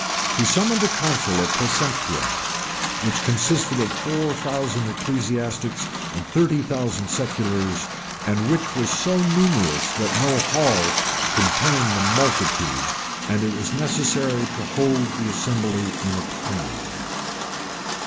He summoned a council at Placentia, which consisted of four thousand ecclesiastics and thirty thousand seculars; and which was so numerous that no hall could contain the multitude, and it was necessary to hold the assembly in a plain.